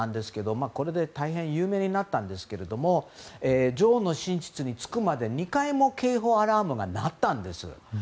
これで大変有名になったんですけども女王の寝室につくまで、２回も警報アラームが鳴ったんです。